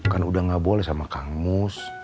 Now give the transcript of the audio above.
kan udah gak boleh sama kang mus